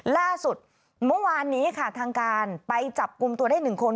ล่าสุดเมื่อวานนี้ค่ะทางการไปจับกลุ่มตัวได้๑คน